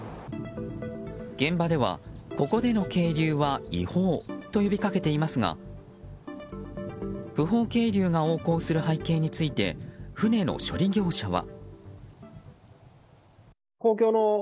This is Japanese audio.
現場では、ここでの係留は違法と呼びかけていますが不法係留が横行する背景について船の処理業者は。